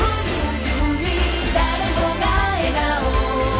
「誰もが笑顔」